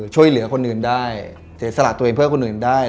ช่วยเหลือคนอื่นได้เสียสละตัวเองเพื่อคนอื่นได้